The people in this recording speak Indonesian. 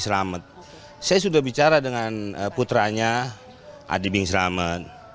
iya hari ini saya sudah bicara dengan putranya adi bing selamet